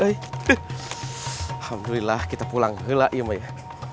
alhamdulillah kita pulang hulah yuk baiklah